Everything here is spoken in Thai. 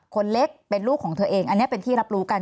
คนเล็กเป็นลูกของเธอเองอันนี้เป็นที่รับรู้กัน